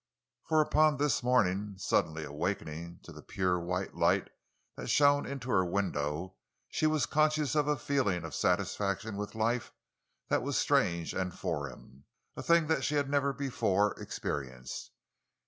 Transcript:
For upon this morning, suddenly awakening to the pure, white light that shone into her window, she was conscious of a feeling of satisfaction with life that was strange and foreign—a thing that she had never before experienced.